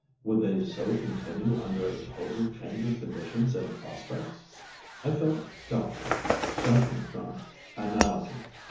Would they so continue under a total change of conditions and prospects? I felt doubtful, judging from analogy.